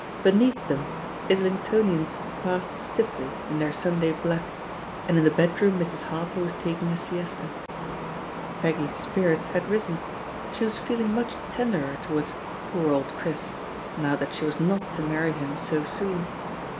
Beneath them, Islingtoni ans passed stiffly in their Sunday blacky and in the bedroom Mrs. Harper was taking a siesta. Peggy's spirits had risen; she was feeling much tenderer towards "poor old Chris" now that she was not to marry him so soon.